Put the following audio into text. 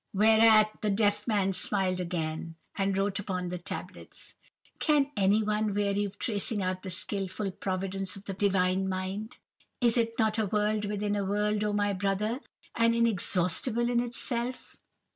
"Whereat the deaf man smiled again, and wrote upon the tablets:— "'Can anyone weary of tracing out the skilful providence of the Divine Mind? Is it not a world within a world, oh my brother, and inexhaustible in itself?